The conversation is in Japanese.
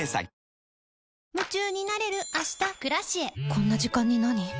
こんな時間になに？